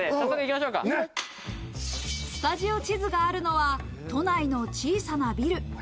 スタジオ地図があるのは都内の小さなビル。